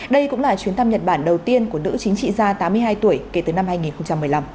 đây cũng là chuyến thăm nhật bản đầu tiên của nữ chính trị gia tám mươi hai tuổi kể từ năm hai nghìn một mươi năm